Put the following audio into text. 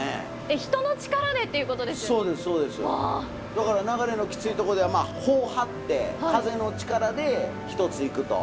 だから流れのきついとこでは帆を張って風の力でひとつ行くと。